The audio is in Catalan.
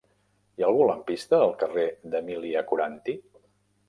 Hi ha algun lampista al carrer d'Emília Coranty?